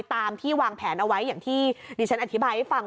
ตามที่วางแผนเอาไว้อย่างที่ดิฉันอธิบายให้ฟัง